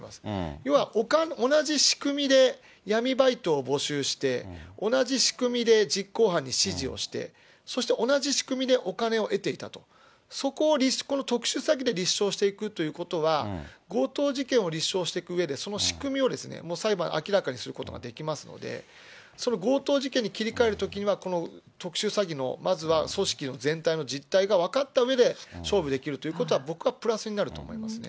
要は、同じ仕組みで闇バイトを募集して、同じ仕組みで実行犯に指示をして、そして同じ仕組みでお金を得ていたと、そこを特殊詐欺で立証していくということは、強盗事件を立証していくうえで、その仕組みを、もう裁判で明らかにすることができますので、その強盗事件に切り替えるときには、この特殊詐欺のまずは組織の全体の実態が分かったうえで勝負できるということは、僕はプラスになると思いますね。